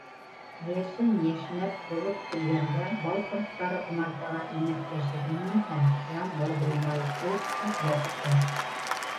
Йәшен йәшнәп, болот килгәндә бал ҡорттары умартаға инеп йәшеренмәһә, ямғыр булмай, ул ситләп үтә.